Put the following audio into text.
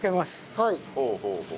はい。